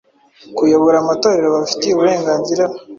kuyobora amatorero babifitiye uburenganzira busesuye bw’abavugabutumwa.